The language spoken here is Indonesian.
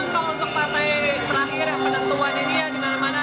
dimana mana event bergurau pengalaman saya semua yang mental ya